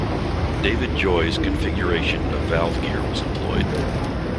David Joy's configuration of valve gear was employed.